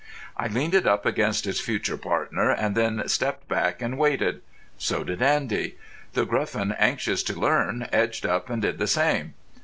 I leaned it up against its future partner and then stepped back and waited. So did Andy. The Gruffin, anxious to learn, edged up and did the same.